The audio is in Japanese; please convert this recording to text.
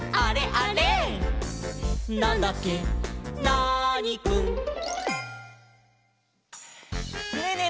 ナーニくん」ねえねえ